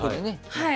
はい。